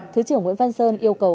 thứ trưởng nguyễn văn sơn yêu cầu